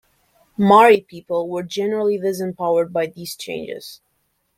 Mari people were generally dis-empowered by these changes.